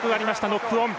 ノックオン。